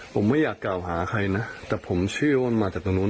ผมไม่อยากกล่าวหาใครนะแต่ผมเชื่อว่ามันมาจากตรงนู้น